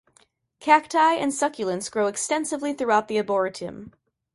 Cacti and succulents grow extensively throughout the Arboretum.